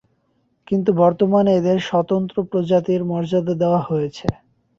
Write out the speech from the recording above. কিন্তু বর্তমানে এদের স্বতন্ত্র প্রজাতির মর্যাদা দেয়া হয়েছে।